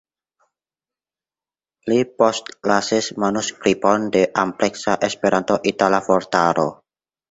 Li postlasis manuskripton de ampleksa Esperanto-itala vortaro.